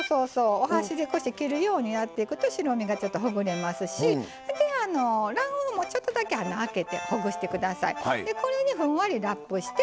お箸で切るようにやっていくと白身がちょっとほぐれますし卵黄もちょっとだけ穴開けてほぐして下さい。